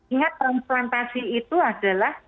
ingat transplantasi itu adalah